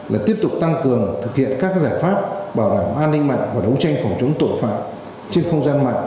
là tiếp tục tăng cường thực hiện các giải pháp bảo đảm an ninh mạng và đấu tranh phòng chống tội phạm trên không gian mạng